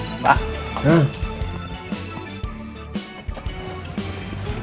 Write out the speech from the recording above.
ada kabar bagus